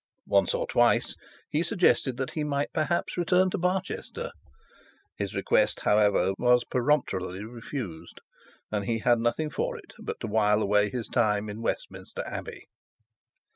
Once or twice he suggested that he might perhaps return to Barchester. His request, however, was peremptorily refused, and had nothing for it but to while away his time in Westminster Abbey.